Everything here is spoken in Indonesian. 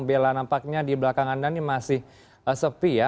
bella nampaknya di belakangan ini masih sepi ya